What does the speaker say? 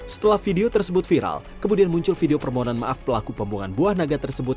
setelah video tersebut viral kemudian muncul video permohonan maaf pelaku pembuangan buah naga tersebut